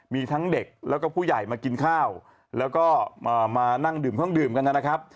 มีทั้งเด็กแล้วก็ผู้ใหญ่มากินข้าวแล้วก็มานั่งดื่มเครื่องดื่มกันนะครับ